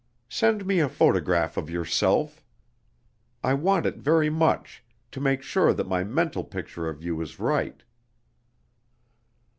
Send me a photograph of yourself. I want it very much, to make sure that my mental picture of you is right."